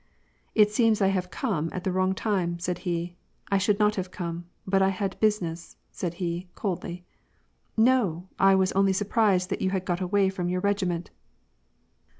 "It seems I have come at the wrong time," said he. "I should not have come, but I had business," said he, coldly. " No, I was only surprised that you had got away from your regiment.